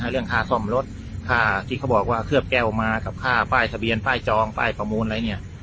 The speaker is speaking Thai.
เรื่องค่าซ่อมรถค่าที่เขาบอกว่าเคลือบแก้วมากับค่าป้ายทะเบียนป้ายจองป้ายประมูลอะไรเนี่ย